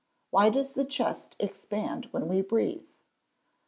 _Why does the chest expand when we breathe?